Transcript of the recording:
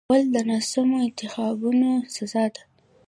غول د ناسمو انتخابونو سزا ده.